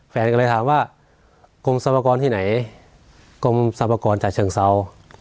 แฟนก็เลยถามว่ากรมสรรพากรที่ไหนกรมสรรพากรจากเชิงเศร้า